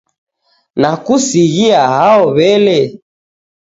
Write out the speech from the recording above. Nakusighia hao wele